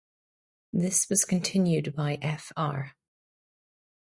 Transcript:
This was continued by Fr.